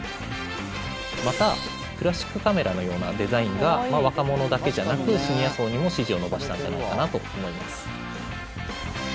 またクラシックカメラのようなデザインが若者だけじゃなくシニア層にも支持を伸ばしたんじゃないかなと思います。